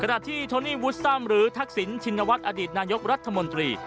ขณะที่โทนี่วูสตัมหรือทักษิณชินวัฒน์อดีตนายกรัฐมนตรี